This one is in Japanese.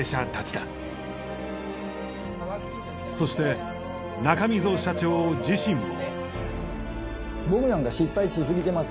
そして中溝社長自身も。